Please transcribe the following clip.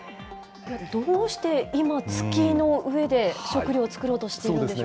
どうして今、月の上で食料を作ろうとしているんでしょう。